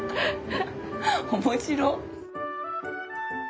面白っ！